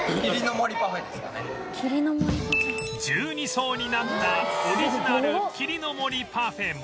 １２層になったオリジナル霧の森パフェも